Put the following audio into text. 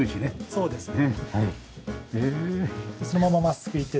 そうですね。